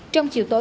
trong chiều tối